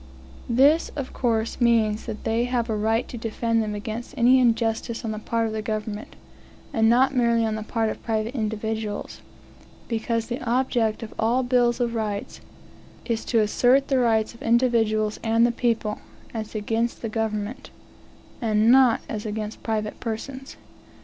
This, of course, means that they have a right to defend them against any injustice on the part of the government, and not merely on the part of private individuals; because the object of all bills of rights is to assert the rights of individuals and the people, as against the government, and not as against private persons.